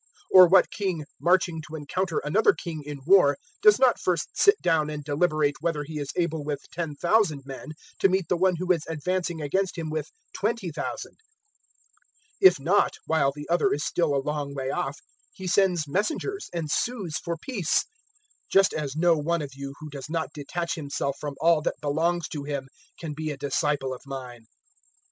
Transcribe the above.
014:031 Or what king, marching to encounter another king in war, does not first sit down and deliberate whether he is able with ten thousand men to meet the one who is advancing against him with twenty thousand? 014:032 If not, while the other is still a long way off, he sends messengers and sues for peace. 014:033 Just as no one of you who does not detach himself from all that belongs to him can be a disciple of mine.